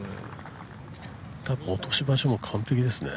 たぶん落とし場所も完璧ですね。